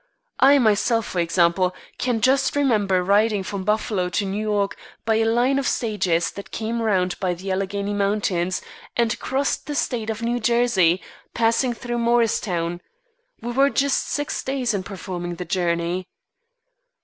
I myself, for example, can just remember riding from Buffalo to New York by a line of stages that came round by the Alleghany Mountains, and crossed the State of New Jersey, passing through Morristown. We were just six days in performing the journey.